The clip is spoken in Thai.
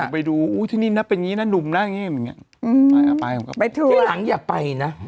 ไปดูที่นี่นะเป็นงี้น่ะนุ่มนะที่หลังอย่าไปนะ